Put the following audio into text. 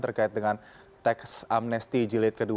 terkait dengan tax amnesty gilid ke dua